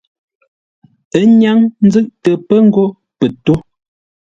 Ə́ nyáŋ nzʉ́ʼtə pə ngó pə tó.